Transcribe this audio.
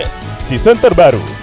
lima s season terbaru